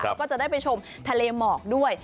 แล้วก็จะได้ไปชมทะเลหมอกด้วย